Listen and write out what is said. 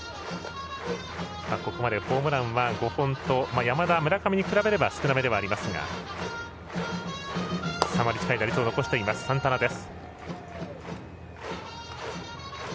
ここまでホームランは５本と山田、村上に比べれば少なめではありますが３割近い打率を残しているサンタナです。